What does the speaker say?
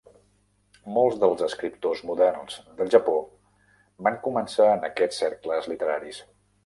Molts dels escriptors moderns del Japó van començar en aquests cercles literaris.